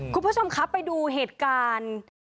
คุณผู้ชมครับไปดูเหตุการณ์